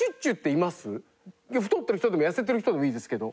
太ってる人でも痩せてる人でもいいですけど。